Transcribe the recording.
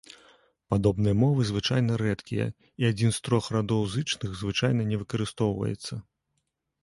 Падобныя мовы звычайна рэдкія, і адзін з трох радоў зычных звычайна не выкарыстоўваецца.